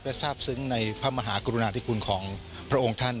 และทราบซึ้งในพระมหากรุณาธิคุณของพระองค์ท่าน